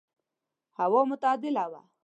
هوا معتدله وه.